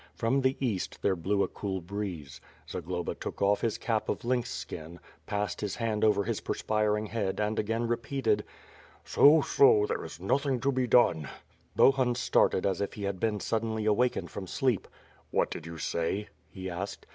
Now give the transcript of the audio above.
From the East, there blew a cool breeze. Zagloba took off his cap of lynx skin, passed his hand over his perspiring head and again repeated: "So, so! there is nothing to be clone." Bohun started as if he had been suddenly awakened from sleep. "What did you say?' 'he asked.